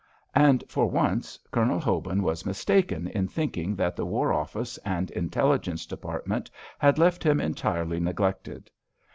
And for once, Colonel Hobin was mistaken in thinking that the War Office and Intelligence Department had left him entirely neglected.